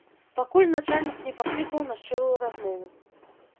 Пакуль начальнік не паклікаў на шчырую размову.